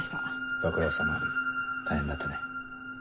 ご苦労さま大変だったね。